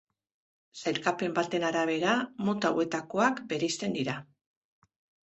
Sailkapen baten arabera, mota hauetakoak bereizten dira.